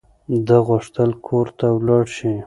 ده غوښتل کور ته ولاړ شي.